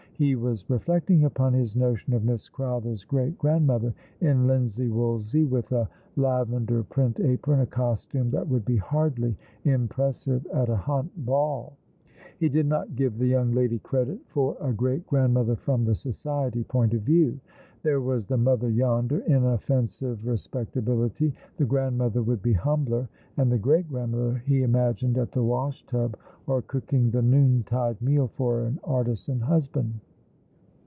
He was reflecting upon his notion of Miss Crowther's great grandmother, in linsey wolsey, with a lavender print apron, a costume that would be hardly im pressive at a Hunt Ball. He did not give the young lady credit for a great grandmother from the Society point of view. There was the mother yonder — inoffensive respecta bility — the grandmother would be humbler — and the great grandmother he imagined at the wtish tub, or cooking the noontide meal for an artisan husband.